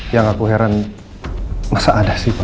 yang aku heran masa ada sih pak